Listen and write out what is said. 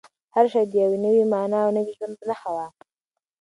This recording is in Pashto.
هر شی د یوې نوې مانا او نوي ژوند نښه وه.